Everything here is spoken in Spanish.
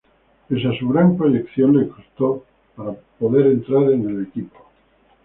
Pese a su gran proyección, le costó poder entrar en el equipo.